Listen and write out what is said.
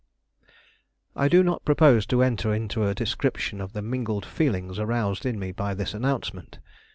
I do not propose to enter into a description of the mingled feelings aroused in me by this announcement.